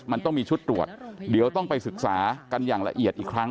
มันต้องมีชุดตรวจเดี๋ยวต้องไปศึกษากันอย่างละเอียดอีกครั้ง